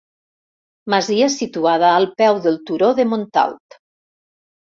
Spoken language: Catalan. Masia situada al peu del Turó de Montalt.